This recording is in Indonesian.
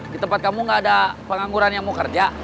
di tempat kamu gak ada pengangguran yang mau kerja